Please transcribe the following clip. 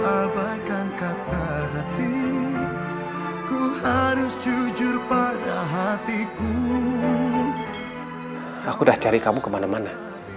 aku udah cari kamu kemana mana